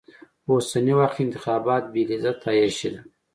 په اوسني وخت کې انتخابات بې لذته عياشي ده.